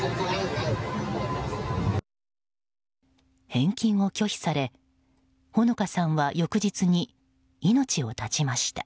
返金を拒否され、穂野香さんは翌日に命を絶ちました。